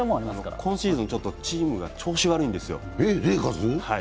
今シーズン、チームが調子悪いんですよ。